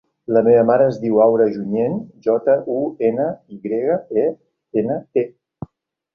La meva mare es diu Aura Junyent: jota, u, ena, i grega, e, ena, te.